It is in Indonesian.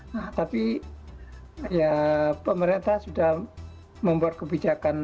nah tapi ya pemerintah sudah membuat kebijakan